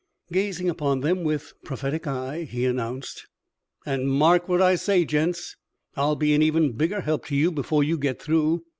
Gazing upon them with prophetic eye, he announced: "And mark what I say, gents: I'll be even a bigger help to you before you get through.